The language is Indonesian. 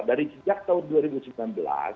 dari sejak tahun dua ribu sembilan belas